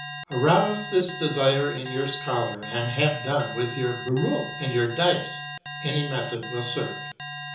Arouse this desire in your scholar and have done with your "bureaux" and your dice any method will serve.